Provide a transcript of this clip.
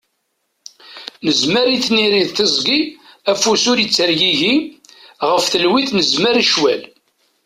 Nezmer i tniri d tiẓgi, afus ur ittergigi, ɣef talwit nezmer i ccwal.